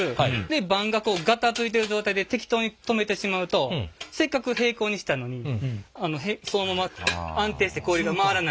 盤がこうガタついてる状態で適当に止めてしまうとせっかく平行にしたのにそのまま安定して氷が回らないので。